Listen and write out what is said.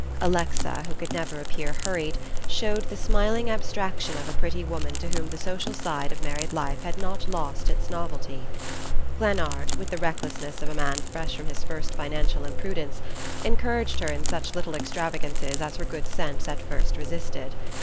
Alexa, who could never appear hurried, showed the smiling abstraction of a pretty woman to whom the social side of married life has not lost its novelty. Glennard, with the recklessness of a man fresh from his first financial imprudence, encouraged her in such little extravagances as her good sense at first resisted.